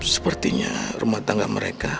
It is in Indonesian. sepertinya rumah tangga mereka